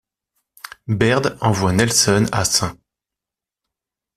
Baird envoie Nelson à St.